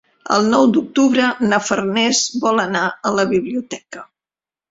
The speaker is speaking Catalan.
El nou d'octubre na Farners vol anar a la biblioteca.